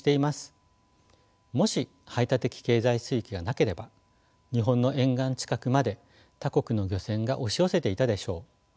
もし排他的経済水域がなければ日本の沿岸近くまで他国の漁船が押し寄せていたでしょう。